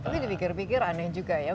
tapi di pikir pikir aneh juga ya